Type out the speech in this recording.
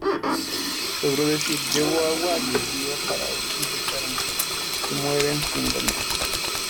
Logró decir: "Llevo agua del río para mis enfermos que mueren sin remedio".